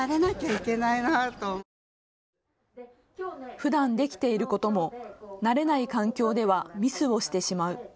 ふだんできていることも慣れない環境ではミスをしてしまう。